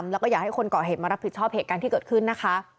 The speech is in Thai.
แล้วก็อยากให้คนเกาะเหตุมารับผิดชอบเหตุการณ์ที่เกิดขึ้นนะคะ